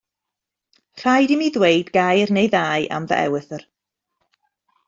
Rhaid i mi ddweud gair neu ddau am fy ewythr.